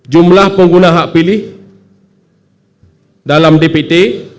jumlah pengguna hak pilih dalam dpt